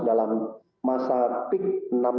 dalam masa peak